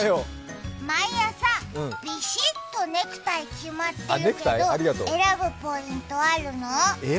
毎朝、ビシッとネクタイ決まってるけど選ぶポイントあるの？